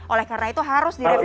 oleh karena itu harus direvisi